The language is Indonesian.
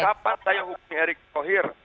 kapan saya hukumnya erick sohir